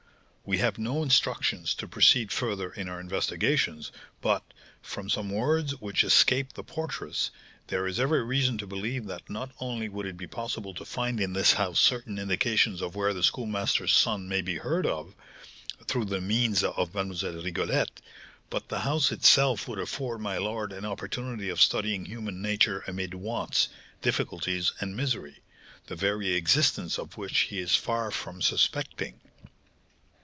We have no instructions to proceed further in our investigations, but, from some words which escaped the porteress, there is every reason to believe that not only would it be possible to find in this house certain indications of where the Schoolmaster's son may be heard of, through the means of Mlle. Rigolette, but the house itself would afford my lord an opportunity of studying human nature amid wants, difficulties, and misery, the very existence of which he is far from suspecting."